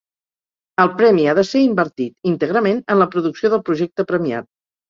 El premi ha de ser invertit, íntegrament, en la producció del projecte premiat.